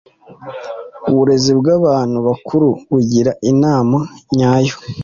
uburezi bw ‘abantu bakuru bugira inama nyayo.